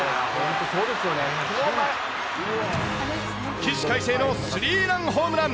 起死回生のスリーランホームラン。